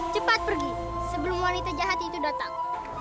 cepat pergi sebelum wanita jahat itu datang